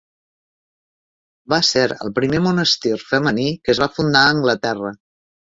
Va ser el primer monestir femení que es va fundar a Anglaterra.